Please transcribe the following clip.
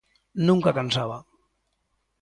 Nunca cansaba.